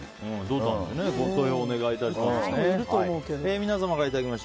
ご投票お願いします。